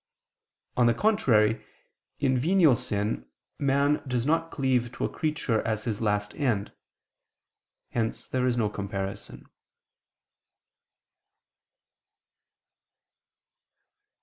On the contrary, in venial sin, man does not cleave to a creature as his last end: hence there is no comparison.